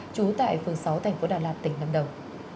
trú tại phường sáu tp đà đạt tỉnh lâm đồng